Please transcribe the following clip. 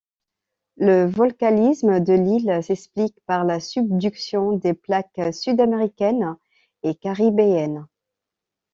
Le volcanisme de l'île s'explique par la subduction des plaques sud-américaine et caribéenne.